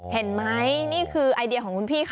เห็นไหมนี่คือไอเดียของคุณพี่ค่ะ